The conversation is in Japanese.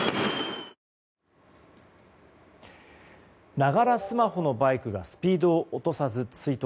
ながらスマホのバイクがスピードを落とさず追突。